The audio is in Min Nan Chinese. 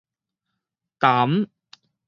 澹